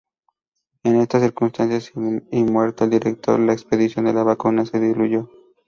En estas circunstancias, y muerto el director, la expedición de la vacuna se diluyó.